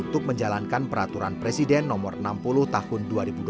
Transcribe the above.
untuk menjalankan peraturan presiden nomor enam puluh tahun dua ribu dua puluh